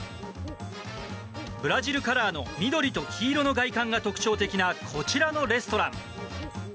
ブラジルカラーの緑と黄色の外観が特徴的なこちらのレストラン。